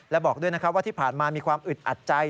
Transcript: และบอกด้วยนะครับว่าที่ผ่านมามีความอึดอัดใจ